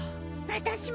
私も！